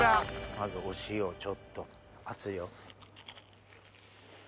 まずお塩をちょっと熱いよ。